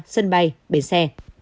sân bay bến xe